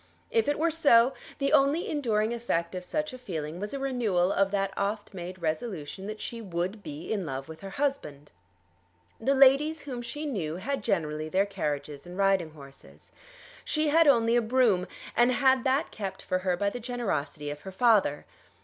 If it were so, the only enduring effect of such a feeling was a renewal of that oft made resolution that she would be in love with her husband. The ladies whom she knew had generally their carriages and riding horses. She had only a brougham, and had that kept for her by the generosity of her father.